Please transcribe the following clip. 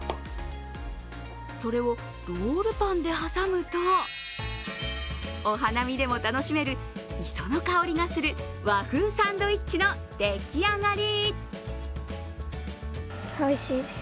それをロールパンで挟むとお花見でも楽しめる磯の香りがする和風サンドイッチのできあがり。